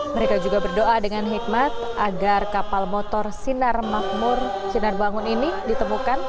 mereka juga berdoa dengan hikmat agar kapal motor sinar makmur sinar bangun ini ditemukan